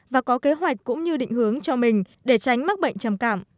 và có kế hoạch cũng như định hướng cho mình để tránh mắc bệnh trầm cảm